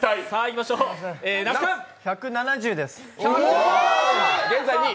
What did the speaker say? １７０です。